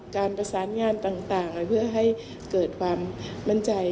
การประสานงานต่างเพื่อให้เกิดความมั่นใจ